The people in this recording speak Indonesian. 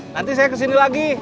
nanti saya kesini lagi